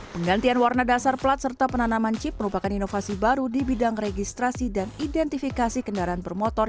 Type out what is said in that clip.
penggantian warna dasar pelat serta penanaman chip merupakan inovasi baru di bidang registrasi dan identifikasi kendaraan bermotor